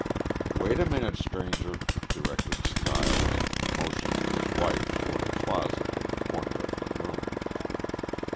"Wait a minute, stranger," directed Stiles, motioning his wife toward a closet in the corner of the room.